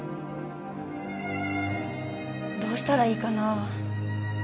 どうしたらいいかな